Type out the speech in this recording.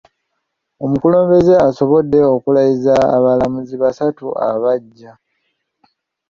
Omukulembeze asobodde okulayiza abalamuzi basatu abaggya .